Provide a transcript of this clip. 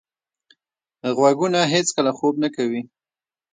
غوږونه هیڅکله خوب نه کوي.